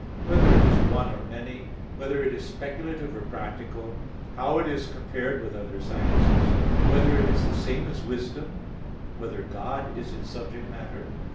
(3) Whether it is one or many? (4) Whether it is speculative or practical? (5) How it is compared with other sciences? (6) Whether it is the same as wisdom? (7) Whether God is its subject matter?